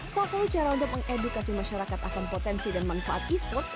salah satu cara untuk mengedukasi masyarakat akan potensi dan manfaat e sports